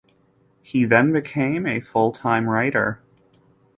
He then became a full-time writer.